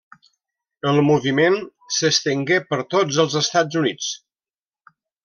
El moviment s'estengué per tots els Estats Units.